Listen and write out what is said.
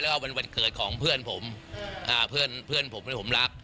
แล้วก็วันเกิดของเพื่อนผมอ่าเพื่อนผมที่ผมรัก